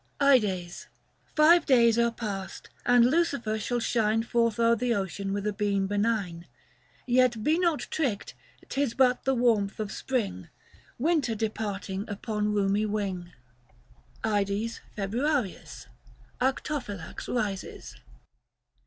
v. IDES. Five days are passed, and Lucifer shall shine Forth o'er the ocean with a beam benign ; 150 Yet be not tricked, 'tis but the warmth of Spring, Winter departing upon rheumy wing. ' III. IDES FEB. ARCTOPHYLAX RISES.